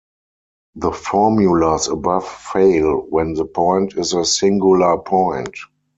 The formulas above fail when the point is a singular point.